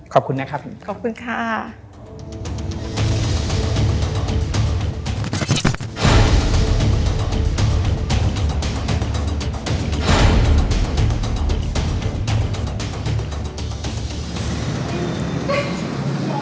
ขอบคุณนะครับคุณค่ะขอบคุณค่ะขอบคุณค่ะ